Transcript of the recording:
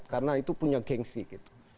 karena itu punya gengsi gitu